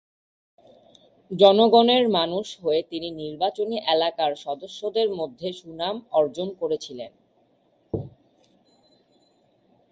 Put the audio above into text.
জনগণের মানুষ হয়ে তিনি নির্বাচনী এলাকার সদস্যদের মধ্যে সুনাম অর্জন করেছিলেন।